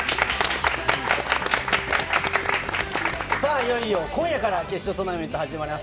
いよいよ今夜から決勝トーナメント始まります。